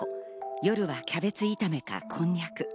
夜はキャベツ炒めか、こんにゃく。